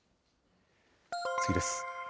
次です。